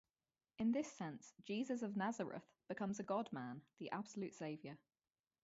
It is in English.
In this sense, Jesus of Nazareth becomes a God-Man, the absolute saviour.